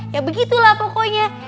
ya begitulah pokoknya